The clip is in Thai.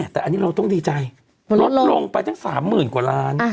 แต่อันนี้เราต้องดีใจลดลงไปตั้ง๓๐๐๐กว่าล้าน